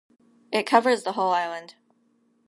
It covers the whole island.